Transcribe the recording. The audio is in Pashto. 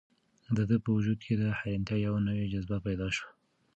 د ده په وجود کې د حیرانتیا یوه نوې جذبه پیدا شوه.